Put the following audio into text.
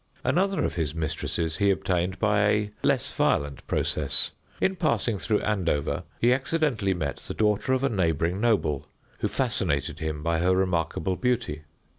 Another of his mistresses he obtained by a less violent process. In passing through Andover, he accidentally met the daughter of a neighboring noble, who fascinated him by her remarkable beauty.